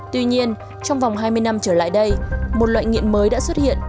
tuy nhiên trong vòng hai mươi năm trở lại đây một loại nghiện mới đã xuất hiện